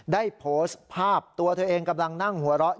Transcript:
ได้โพสต์ภาพตัวเธอเองกำลังนั่งหัวเราะ